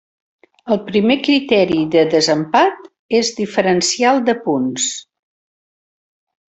El primer criteri de desempat és diferencial de punts.